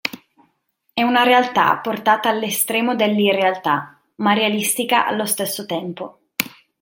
È una realtà portata all'estremo dell'irrealtà ma realistica allo stesso tempo.